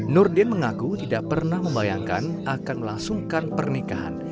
nurdin mengaku tidak pernah membayangkan akan melangsungkan pernikahan